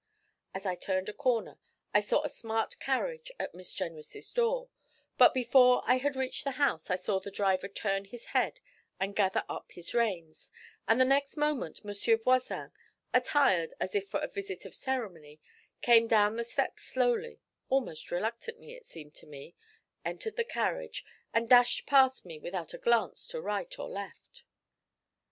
As I turned a corner I saw a smart carriage at Miss Jenrys' door, but before I had reached the house I saw the driver turn his head and gather up his reins, and the next moment Monsieur Voisin, attired as if for a visit of ceremony, came down the steps slowly, almost reluctantly, it seemed to me, entered the carriage, and dashed past me without a glance to right or left.